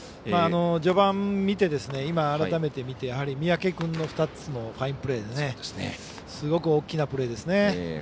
序盤を見て、三宅君の２つのファインプレーすごく大きなプレーですね。